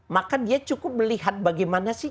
maka dia cukup melihat bagaimana sih